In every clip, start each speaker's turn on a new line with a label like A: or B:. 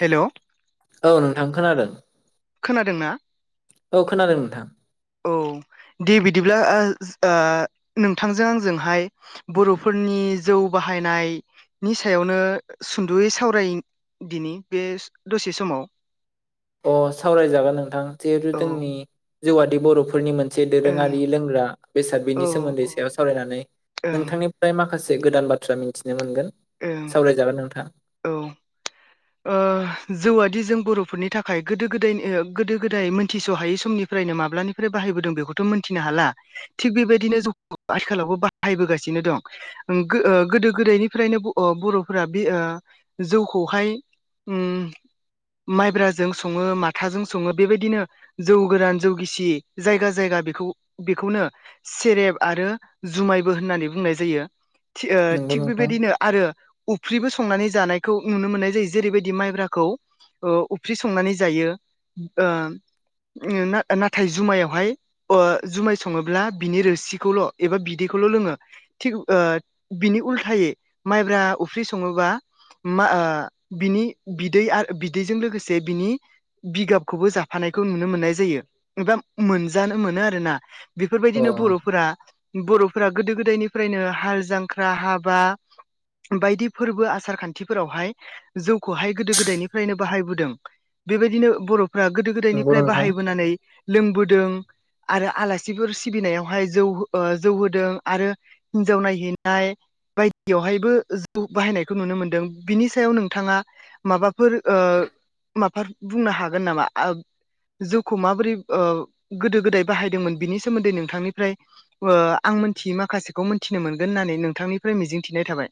A: Hello
B: आं खोनादों
A: खोनादों ना?
B: औ खोनादों नोंथां
A: औ दे बिदिब्ला ओ ओ नोंथांजों आंजोंहाय बर'फोरनि जौ बाहायनायनि सायावनो सुद'यै सावराय दिनि बे दसे समाव
B: अ सावरायजागोन नोंथां जिहेथु
A: औ
B: जोंनि जौउ आदि बर'फोरनि मोन मोनसे
A: ओं
B: दोरोङारि लोंग्रा बेसाद
A: औ
B: बेनि सोमोन्दै
A: ओं
B: सायाव सावरायनानै नोंथांनिफ्राय माखासे माखासे गोदान बाथ्रा मिथिनो मोनगोन
A: ओं
B: सावरायजागोन नोंथां
A: औ ओ जौआादि जों बर'फोरनि थाखाय गोदो गोदायनि ओ गोदो गोदाय मोनथिस'हायै समनिफ्रायनो माब्लानिफ्राय बाहायबोदों बेखौथ' मोनथिनो हाला थिग बेबायदिनो जौ आथिखालावबो बाहायबोगासिनो दं गो ओ गोदो गोदायनिफ्रायनो ब' अ बर'फोरा बे ओ जौखौहाय उम माइब्राजों सङो माथाजों सङो बेबायदिनो जौ गोरान जौ गिसि जायगा जायगा बेखौ बेखौनो सेरेब आरो जुमायबो होननानै बुंनाय जायो थि ओ
B: नंगौ
A: थिग
B: नोंथां
A: बेबायदिनो आरो अफ्रिबो संनानै जानायखौ नुनो मोननाय जायो जेरैबायदि माइब्राखौ ओ उफ्रि संनानै जायो ओ उमओ नाथाय जुमायावहाय ओ जुमाय सङोब्ला बिनि रोसिखौल' एबा बिदैखौल' लोङो थिग ओ बिनि उल्थायै माइब्रा उफ्रि सङोबा माओ बिनि बिदै आरो बिदैजों लोगोसे बिनि बिगाबखौबो जाफानायखौ नुनो मोननाय जायो एबा मोनजानो मोनो आरोना
B: अ
A: बेफोरबायदिनो बर'फोरा बर'फोरा गोदो गोदायनिफ्रायनो हाल जांख्रा हाबा बायदि फोरबो आसार खान्थिफोरावहाय जौखौहाय गोदो गोदायनिफ्रायनो बाहायबोदों बेबायदिनो बर' फ्रा गोदो
B: नंगौ
A: गोदायनिफ्राय
B: नोंथां
A: बाहायबोनानै लोंबोदों आरो आलासिफोर सिबिनायावहाय जौ ओ जौ होदों आरो हिन्जाव नायहैनाय बायदियावहायबो जौ बाहायनायखौ नुनो मोनदों बिनि सायाव नों थाङा माबाफोर ओ माबा बुंनो हागोन नामा आब जौखौ माबोरै ओ गोदो गोदाय बाहायदोंमोन बिनि सोमोन्दै नोंथांनिफ्राय ओ आं मोनथियै माखासेखौ मिथिनो मोनगोन होननानै नोंथांनिफ्राय मिजिंथिनाय थाबाय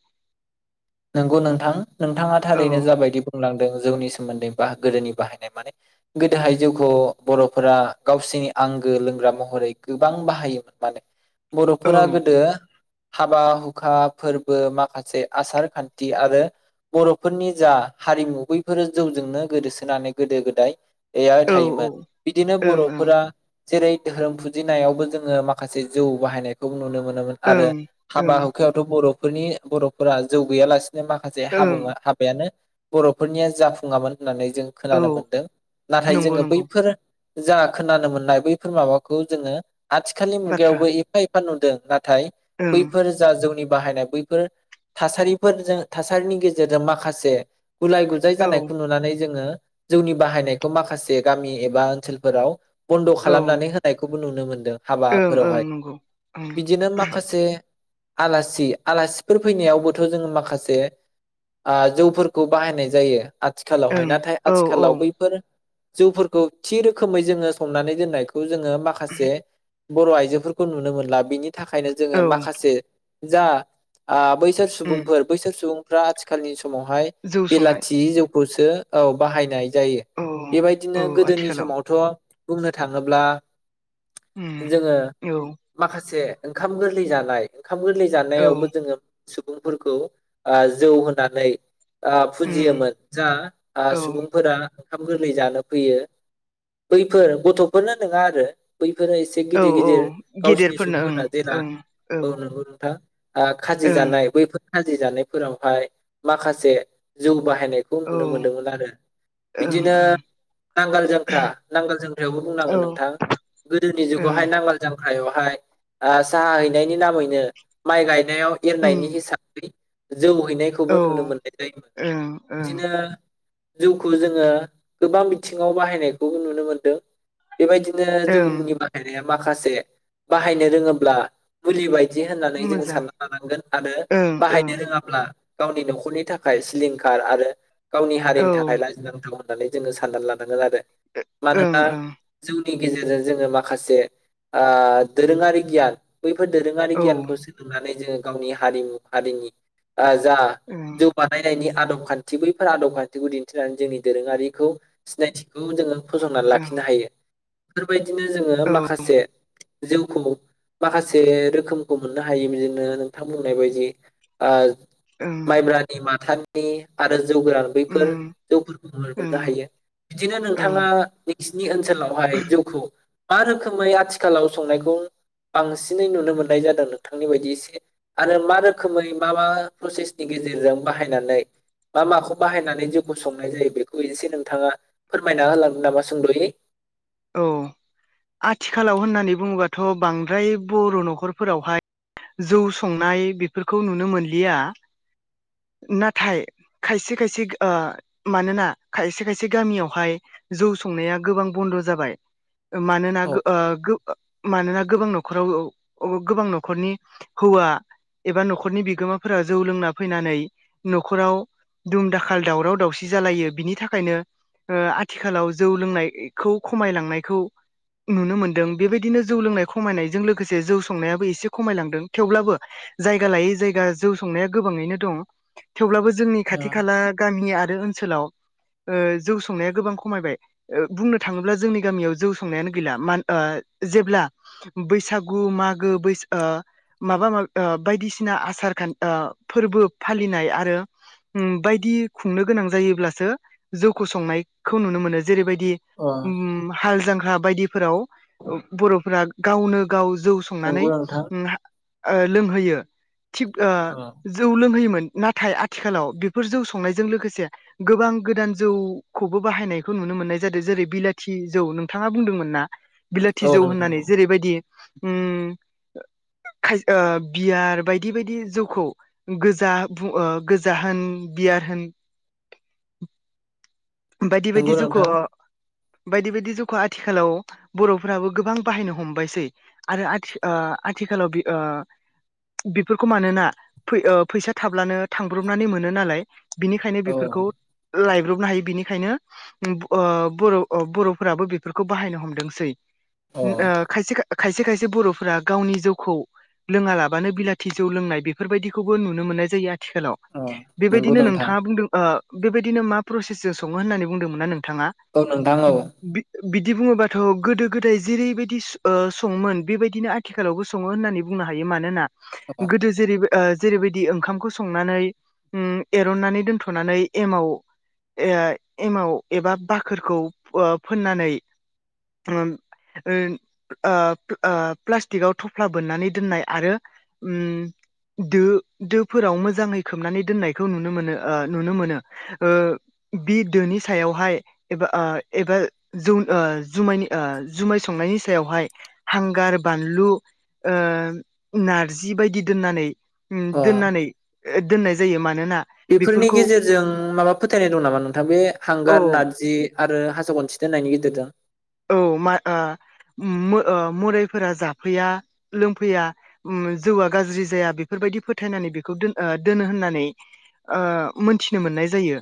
B: नोंगौ नोंथां नोंथाङा थारैनो
A: औ।
B: जाबायदि बुंलांदों जौनि सोमोन्दै बा गोदोनि बाहायनाय माने गोदोहाय जिउखौ बर'फोरा गावसिनि आंगो लोंग्रा महरै गोबां बाहायोमोन माने
A: औ
B: बर'फोरा गोदो हाबा हुखा फोरबो माखासे आसार खान्थि आरो बर'फोरनि जा हारिमु बैफोरो जौजोंनो गोदोसोनानै गोदो गोदाय [inaudible] थायोमोन
A: औ
B: बिदिनो
A: ओं ओं
B: बर'फोरा जेरै धोरोम फुजिनायावबो जोङो माखासे जौ बाहायनायखौ नुनो मोनोमोन आरो
A: ओं
B: हाबा
A: ओं
B: हुखायावथ' बर' फोरनि बर'फोरा जौ गैयालासे माखासे हाबु
A: ओं
B: हाबायानो बर'फोरनिया जाफुङामोन । होननानै जों
A: औ
B: खोनानो मोनदों नाथाय
A: नंगौ
B: जोङो
A: नंगौ
B: बैफोर जा खोनानो मोननाय बैफोर माबाखौ जोङो आथिखालनि
A: बाथ्रा
B: मुगायावबो एफा एफ [inaudible] थाय
A: ओं
B: बैफोर जा जौनि बाहायनाय बैफोर थासारिफोरजों थासारिनि गेजेरजों माखासे गुलाय गुजाय
A: औ
B: जानायखौ नुनानै जोङो जौनि बाहायनायखौ माखासे गामि एबा ओनसोलफोराव बन्द'
A: औ
B: खालामनानै होनायखौ नुनो मोनदों ।
A: ओं ओं
B: हाबाफोरावहाय
A: नंगौ ओं
B: बिदिनो माखासे आलासि आलासिफोर फैनायावबोथ' जोङो माखासे ओ जौफोरखौ बाहायनाय जायो । आथिखालावहाय
A: ओं
B: नाथाय
A: औ औ
B: आथिखालाव बैफोर जौफोरखौ थि रोखोमै जोङो संनानै दोननायखौ जोङो माखासे बर' आइजोफोरखौ नुनो मोनला बिनि थाखायनो जोङो
A: औ
B: माखासे जा आ बैसोर
A: उम
B: सुबुंफोर बैसोर सुबुं रा आथिखालनि स समावहाय
A: जौ संनाय
B: बेलाथि जौ बोसो औ बाहायनाय जायो
A: औ
B: बेबायदिनो
A: औ
B: गोदोनि
A: आथिखालाव
B: समावथ' बुंनो थाङोब्ला
A: उम
B: जोङो
A: औ
B: माखासे ओंखाम गोरलै जानाय ओंखाम गोरलै
A: औ
B: जानायावबो जोङो सुबुंफोरखौ ओ जौ होनानै आ
A: उम
B: फुजियोमोन जा आ
A: औ
B: सुबुंफोरा ओंखाम गोरलै जानो फैयो बैफोर गथ'फोरनो नङा आरो बैफोर [unintelligible] एसे
A: औ
B: गिदिर
A: औ
B: गिदिर गावसिनि
A: गेदेरफोरनो ओं
B: सुबुंफोरना जेला
A: ओं
B: औ नंगौ नोंथां। औ। खाजि
A: ओं
B: जानाय बैफोर खाजि जानायफोरावहाय माखासे [unintelligible] बाहायनायखौ
A: औ
B: नुनो मोनदों आरो
A: ओं
B: बिदिनो नांगाल जांख्रा नांगोल जोंख्रायावबो
A: ओं औ
B: बुंनांगोन नोंथां गोदोनि
A: ओं
B: जुावहाय नांगाल [unintelligible] हायाव हाय आ साहा हैनायनि नामैनो माइ गायनायाव [unintelligible]
A: उम
B: हिसाबै
A: औ
B: जौहैनायखौबो नुनो मोननाय जायो
A: ओं ओं
B: बिदिनो जौखौ जोङो गोबां बिथिङाव बाहायनायखौ नुनो मोनदों। बेबायदिनो
A: ओं
B: जौनि बाहायनाया माखासे बाहायनो रोङाब्ला मुलिबाय [unintelligible] होननानै
A: मोजां
B: जों [unintelligible] लानांगोन आरो
A: ओं ओं
B: बाहायनो रोङाब्ला गावनि नखरनि थाखाय सिलिंखार आरो गावनि
A: औ
B: हारिनि थाखाय
A: ओं
B: लाजिनांथाव [unintelligible] जोङो सानना लानांगोन आरो। मानोना
A: ओं
B: जौ [unintelligible] गेजेरजों जोङो माखासे आ दोरोङारि गियान बैफोर दोरोङारि
A: औ
B: गियानखौ सोलोंनानै जों गावनि हारिमु हारिनि आ जा
A: ओं
B: जौ बानायनायनि आदब खान्थि बैफोर आदब खान्थिखौ दिन्थिनानै जोंनि दोरोङारिखौ सिनायथिखौ जोङो फोजौना
A: ओं
B: लाखिनो हायो। [unintelligible] [unintelligible] जोङो
A: औ
B: माखासे जौखौ माखासे रोखोमखौ मोननो हायो बिदिनो [unintelligible] नोंथां बुंनाय बायदि [unintelligible]
A: ओं
B: माइब्रानि माथानि नि आरो जौ गोरान बैफोर
A: उम
B: जौफोरखौ मोननो
A: ओं
B: हायो बिदिनो
A: औ
B: नोंथाङा सिनि ओनसोलावहाय जौखौ मा रोखोमै आथिखालाव संनायखौ बांसिनै नुनो मोननाय जादों नोंथांनि बायदि इस आरो मा रोखोमै मा मा प्रसेसनि गेजेरजों बाहायनानै मा माखौ बाहायनानै जिउखौ संनाय जायो बेखौ एसे नोंथाङा फोरमायना होलांगोन नामा सोंद'यै?
A: औ आथिखालाव होननानै बुङोबाथ' बांद्राय बर' न'खरफोरावहाय जौ संनाय बेफोरखौ नुनो मोनलिया नाथाय खायसे खायसे आ मानोना खायसे खायसे गामियावहाय जौ संनाया गोबां बन्द' जाबाय मानोना
B: औ
A: गो ओ गो मानोना गोबां न'खराव गोबां न'खरनि हौवा एबा न'खरनि बिगोमाफोरा जौ लोंना फैनानै न'खराव दुम दाखाल दावराव दावसि जालायो बिनि थाखायनो ओ आथिखालाव जौ लोंनायखौ खमायलांनायखौ नुनो मोनदों बेबायदिनो जौ लोंनाय खमायनायजों लोगोसे जौ संनायाबो एसे खमायलांदों थेवब्लाबो जायगा लायै जायगा जौ संनाया गोबाङैनो दं थेवब्लाबो जोंनि खाथि खाला गामि आरो ओन ओनसोलाव ओ जौ संनाया गोबां खमायबाय ओ बुंनो थाङोब्ला जोंनि गामियाव जौ संनायानो गैला मान ओ जेब्ला बैसागु मागो बैस ओ माबा माब ओ बायदिसिना आसार खान ओ फोरबो फालिनाय आरो उम बायदि खुंनो गोनां जायोब्लासो जौखौ संनायखौ नुनो मोनो जेरैबायदि
B: ओ अ
A: उ हाल जां हा बायदिफोराव बर'फ्रा गावनो गाव जौ संनानै
B: नंगौ नोंथां
A: ओ लोंहोयो थिफ ओ
B: औ
A: जौ लोंहोयो होन नाथाय आथिखालाव बेफोर जौ संनायजों लोगोसे गोबां गोदान जौखौबो बाहायनायखौ नुनो मोननाय जादों जेरै बिलाथि जौ नोंथाङा बुंदोंमोन ना बिलाथि
B: औ
A: जौ
B: नोंथां
A: होननानै
B: औ
A: जेरैबायदि उ खाय ओ बियार बायदि बायदि जौखौ गोजा बु ओ गोजा होन बियार होन [inaudible] बायदि
B: नंगौ
A: बायदि जोख'
B: नोंथां
A: बायदि बायदि जौखौ आथिखालाव बर'फोराबो गोबां बाहायनो हमबायसै आरो आथिं ओ आथिखालाव बि ओ बेफोरखौ मानोना बै ओ फैसा थाब्लानो थांब्रबनानै मोनो नालाय बिनिखायनो
B: औ
A: बिफोरखौ लाइब्रब नाहायो बिनि खायनो ओ बर' बर'फोराबो बेफोरखौ बाहायनो हमदोंसै
B: अ
A: उम ओ खायसे खायसे खायसे बर'फोरा गावनि जौखौ लोङालाबानो बिलाथि जौ लोंनाय बेफोरबायाददिखौबो नुनो मोननाय जायो थिखालाव
B: अ नंगौ
A: बेबायदिनो
B: नोंथां
A: नोंथाङा बुंदों ओ बेबायदिनो मा प्रसेस जो [unintelligible] होननानै बुंदोंमोना नों थाङा
B: औ नोंथां औ
A: [unintelligible] बिदि बुङोबाथ' गोदो गोदाय जेरैबायदि ओ सङोमोन बेबायदिनो आथिखालावबो सङो होननानै बुंनो हायो मानोना गोदो जेरैबो ओ जेरैबायदि ओंखामखौ संनानै उम एरननानै दोनथ'नानै एमाव एय एमाव एबा बाखोरखौ ओ फोननानै उम ओ आ आ प्लास्टिकआव थफ्ला बोननानै दोननाय आरो उम दो दोफोराव मोजाङै खोबनानै दोननायखौ नुनो मोनो ओ नुनो मोनो ओ बि दोनि सायावहाय एबा आ‌ एबा जौ आ जुमायनि आ जुमाय संनायनि सायावहाय हांगार बानलु ओ नारजि बायदि दोननानै उम
B: अ
A: दोननानै ओ- दोननाय जायो मान
B: बेफोरनि गेजेरजों माबा फोथायनाय दं। नामा नोंथां बे हांगार
A: औ
B: नारजि आरो हासो गनथि दोननायनि गेजेरजों?
A: औ मा ओ-उमो ओ- मोराइफोरा जाफैया लोंफैया उम जौआ गाज्रि जाया बेफोरबायदि फोथायनानै बेखौ दोन ओ- दोनो होननानै ओ- मोनथिनो मोननाय जायो।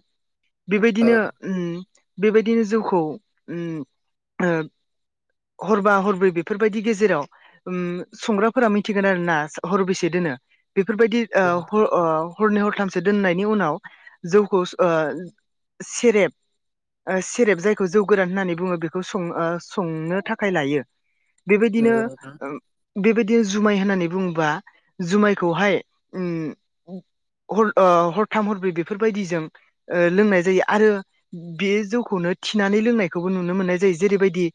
B: औ
A: बेबायदिनो उम। बेबायदिनो जौखौ उम। ओ- हरबा हरब्रै बेफोरबायदि गेजेराव उम संग्राफोरा मिथिगोन आरो ना उम हरब्रेसे दोनो। बेफोरबायदि
B: नंगौ
A: ओ-
B: नोंथां
A: ह- ओ-हरनै हरथा थामसो दोननायनि उनाव जौखौ सु ओ- सेरेब ओ-सेरेब जायखौ जौ गोरान होननानै बुङो बेख खौ सं ओ- संनो थाखाय लायो। बेबायदिनो
B: नंगौ नोंथां
A: ओम बेबायदिनो जुमाय होननानै बुङोबा जुमायखौहाय उम उफ हर ओ- हरथाम हरब्रै बेफोरबायदिजों ओ- लोंनाय जायो आरो बे जौखौनो थिनानै लोंनायखौबो नुनो मोननाय यो जेरैबायदि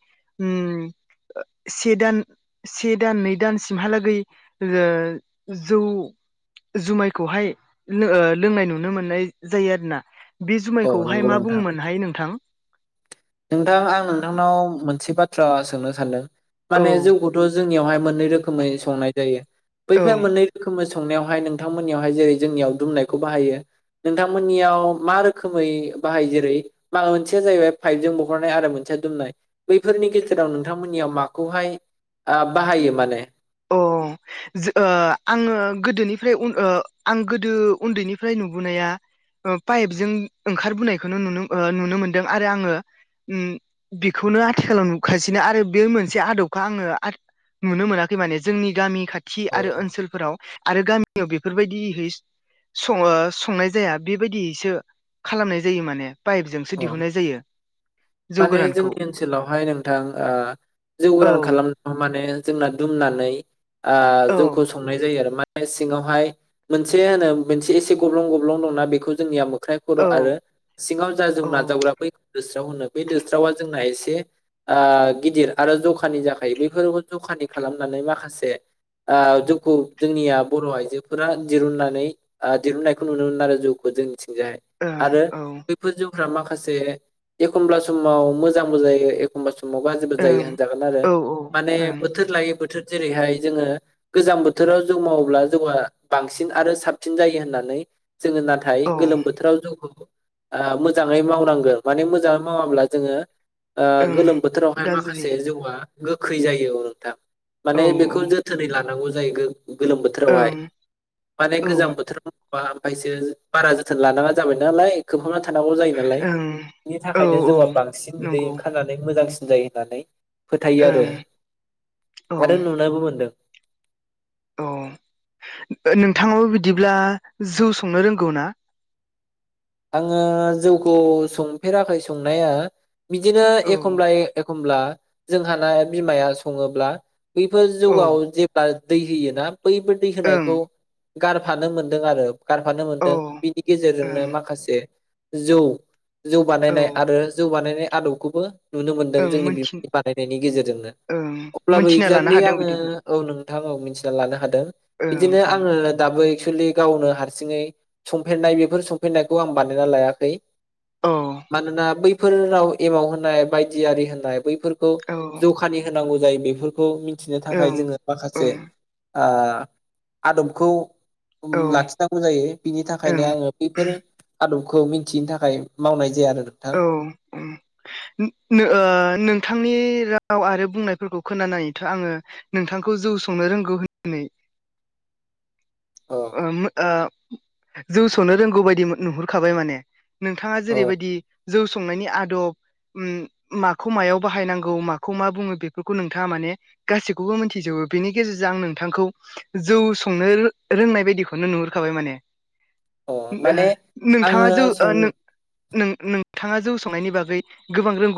A: उम ओ- से दान से दान नै दानसिमहालागै जो जौ जुमायखौहाय लो- ओ- लोंनाय नुनो मोननाय जायो आरोना बे
B: औ
A: जुमायखौहाय
B: नंगौ
A: मा
B: नोंथां
A: बुङोमोनहाय नोंथां?
B: नोंथां आं नोंथांनाव मोनसेबाद थ्रा सोंनो सानदों।
A: औ
B: माने जौखौथ' जोंनियावहाय मोननै रोखोमै संनाय जायो बैफा
A: औ
B: मोननै रोखोमै स संनायावहाय नोंथांमोननियावहाय जेरै जोंनियाव दुमनायखौ बाहायो नोंथांमोननियाव मा रोखोमै बाहायो? जेरै माबा मोनसेया जाहैबाय पाइपजों बहरनाय आरो मोनसे दुमनाय बैफोरनि गेजेराव नोंथांमोननियाव माखौहाय आ- बाहायो माने?
A: अ जो ओ-आङो गोदोनिफ्राय उन ओ-आं गोदो उन्दैनिफ्राय नुबोनाया ओ-पाइपजों ओंखारबोनायखौनो नुनो ओ- नुनो मोनदों आरो आङो उम बेखौनो आथिखालाव नुखासिनो आरो बे मोनसे आदबखौ आङो आथ नुनो मोनाख खै माने जोंनि गामि खाथ थि
B: अ
A: आरो ओनसोलफोराव आरो गामि याव बेफोरबायदिहै सङा संनाय जाया बेबायदियैसो खालामनाय जायो माने। पाइपजोंसो
B: अ
A: दिहुननाय जायो जौ
B: माने
A: गोरानखौ
B: जोंनि ओनसोलावहाय नोंथां
A: औ
B: ओ-जौगोरान खालामनो माने । जोंना दुमनानै आ
A: औ
B: जौखौ संनाय जायो आरो मा सिङावहाय मोनसे होनो मोनसे एसे गब्लं गब्लं दंना बेखौ जोंनिया मोख ख्राय खर'
A: औ
B: आरो सिङाव जौ
A: औ
B: नाजावग्रा बै दोस्राव होनो बै दोस्रावा जोंना एसे आ गिदिर आरो जखानि जाखायो बैफोरबो जखानि खालामनानै माखासे आ जौखौ जोंनिया बर' आइजोफोरा दिरुननानै आ दिरुननायखौ नुनो मोन आरो जौखौ जोंनि।
A: ओं औ
B: जौ फोरा माखासे एखमब्ला समाव मोजांबो जायो एखमबा स समाव गाज्रिबो
A: ओं
B: जायो होनजागोन आरो
A: औ
B: माने
A: ओं
B: बोथोर लायो बोथोर। जेरैहाय जोङो गोजां बोथोराव जौ मावोब्ला जौआ बांसिन आरो साबसिन जायो होननानै। जोङो नाथाय
A: औ
B: गोलोम बोथोराव जौखौ। ओ मोजाङै मावनांगोन माने मोजाङै मावाब्ला जोङो। ओ
A: ओं
B: गोलोम बोथोरावहाय
A: गाज्रि
B: माखासे जौआ। गोखै जायो अ नोंथां।
A: औ
B: माने
A: औ
B: बेखौ जोथोनै ला। थानांगौ जाहैगोन। गोलोम बोथोरावहाय
A: ओं
B: माने
A: औ
B: गोजां
A: ओं
B: बोथोर। बा ओमफ्रायसो बारा जोथोन लानाङा जाबाय नालाय। [inaudible] [unintelligible] जायो नालाय बिनि
A: औ
B: थाखायनो जौआ बांसिन बिदै
A: नंगौ
B: ओंखारनानै मोजांसिन। जायो होननानै। फोथायो आरो
A: ओं औ
B: आरो नुनोबो मोनदों।
A: औ नोंथाङाबो बिदिब्ला जौ संनो रोंगौना।
B: आङो जौखौ संफेराखै संनाया। बिदिनो
A: औ
B: एखमब्ला। होनब्ला जोंहाना बिमाया सङोब्ला। बैफोर
A: औ ओं
B: जौआव जेब्ला। दै होयोना। बैफोर दै होनायखौ। गारफानो मोनदों आरो गारफानो
A: औ
B: मोनदों
A: ओं
B: बिनि गेजेरजोंनो माखा खासे जौ। जौ
A: औ
B: बानायनाय आरो जौ बानायनाय। आदबखौबो। नुनो मोनदों
A: ओं
B: जोंनि
A: मोनथि
B: बिमा बानायनायनि गेजेरजोंनो
A: ओं
B: अब्लाबो
A: मोनथिना लानो
B: एक्जेक्टलि
A: हादों
B: आङो
A: बिदिब्ला
B: औ नोंथां मिथिना लानो हादों
A: ओं
B: बिदिनो
A: ओं
B: आङो दाबो। [unintelligible] गावनो हारसिङै संफेरनाय बेफोर संफेरनाय खौ आं बानायना लायाखै।
A: औ
B: मानोना बै [unintelligible] एमाव होनाय बायदि आरि होननाय बैफोर खौ
A: औ
B: जखानि होनांगौ। जाय बेफोरखौ। मिथिनो थाखाय
A: ओं
B: जोङो माखासे।
A: ओं
B: ओ आदबखौ।
A: औ
B: लाखिनांगौ जायो बिनि थाखायनो
A: ओं
B: आङो बेैफोर। आदबखौ मिन्थियिनि थाखाय मावनाय जाया आरो। नोंथां
A: औ ओ उम नोंथांनि आव आरो बुंनायफोरखौ खोनायोथ' आङो नोंथांखौ जौ संनो रोंगौ होननानै
B: अ
A: ओम ओ जौ सनो रोंगौ बायदि नुहुरखाबाय माने। नोंथाङा
B: अ
A: जेरैबायदि संनायनि आदब उम माखौ मायाव बाहायनांगौ माखौ मा बुङो बेफोरखौ नोंथाङा माने गासैखौबो मिथिजोबो बेनि गेजेरजों आं नोंथांखौ जौ संनो रो-रोंनाय बायदिखौनो नुहुरखाबाय माने।
B: अ माने आङो
A: नोंथाङा जौ ओ
B: सं
A: नों नों नों थाङा जौ संनायनि बागै गोबां रोंगौ